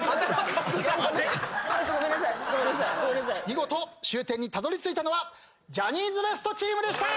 見事終点にたどりついたのはジャニーズＷＥＳＴチームでした！